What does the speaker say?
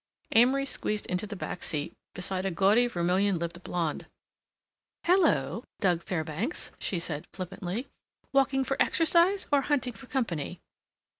Amory squeezed into the back seat beside a gaudy, vermilion lipped blonde. "Hello, Doug Fairbanks," she said flippantly. "Walking for exercise or hunting for company?"